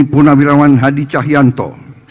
puna wirawan hadi cahyanto